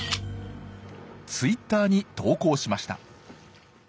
ツイッターに投稿しました。